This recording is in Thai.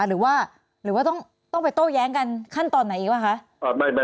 หรือว่าต้องไปโต้แย้งกันขั้นตอนไหนอีกว่าคะ